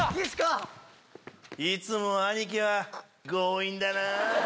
いつも兄貴は強引だな。